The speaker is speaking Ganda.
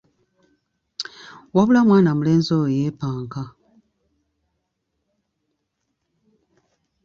Wabula mwana mulenzi oyo yeepanka.